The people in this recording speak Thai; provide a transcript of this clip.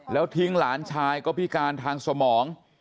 แล้วทิ้งหลานชายก็พิการทางสมอง